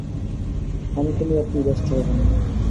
আমাকে নিয়ে আপনি ব্যস্ত হবেন না।